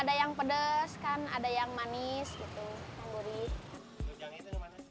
ada yang pedas kan ada yang manis gitu yang gurih